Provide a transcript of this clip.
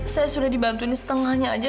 saya sudah dibantuin setengahnya aja